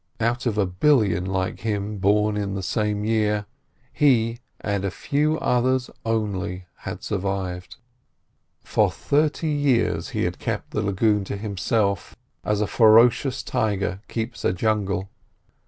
Out of a billion like him born in the same year, he and a few others only had survived. For thirty years he had kept the lagoon to himself, as a ferocious tiger keeps a jungle.